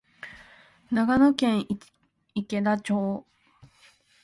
長野県池田町